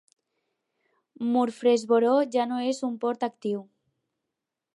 Murfreesboro ja no és un port actiu.